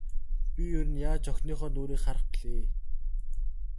Би ер нь яаж охиныхоо нүүрийг харах билээ.